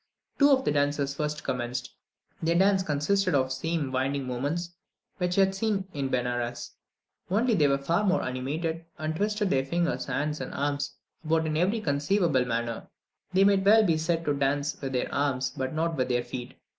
Two of the dancers first commenced. Their dance consisted of the same winding movements which I had already seen in Benares, only they were far more animated, and twisted their fingers, hands, and arms about in every conceivable manner. They might well be said to dance with their arms but not with their feet.